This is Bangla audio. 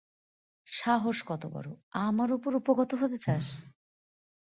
সাহস কত বড়, আমার উপর উপগত হতে চাস!